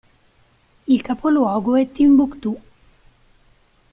Il capoluogo è Timbuctù.